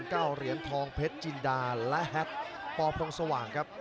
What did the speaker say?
เก้าเหรียญทองเพชรจินดาและแฮ็กปพงสว่างครับ